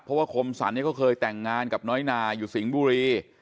เพราะว่าคมสรรเนี่ยก็เคยแต่งงานกับน้อยนาอยู่สิงห์บุรี